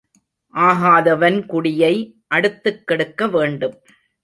ஆகாதவன் குடியை அடுத்துக் கெடுக்க வேண்டும்.